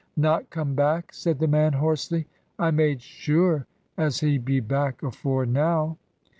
"Not come back?" said the man, hoarsely. "I made sure as he'd be back afore now."